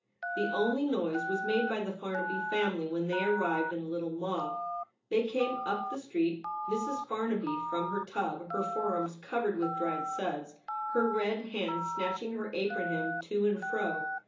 The only noise was made by the Farnaby family when they arrived in a little mob. They came up the street, Mrs. Farnaby from her tub, her forearms covered with dried suds, her red hands snatching her apron hem to and fro.